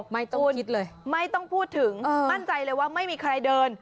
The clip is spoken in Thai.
ไม่ต้องคิดเลยไม่ต้องพูดถึงมั่นใจเลยว่าไม่มีใครเดิน